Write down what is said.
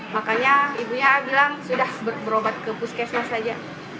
makanya ibunya bilang sudah berobat ke puskesmas saja